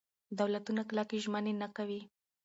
دولتونه کلکې ژمنې نه کوي.